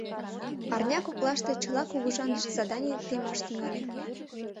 Арня коклаште чыла кугыжаныш заданий темаш тӱҥале.